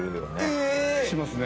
しますね。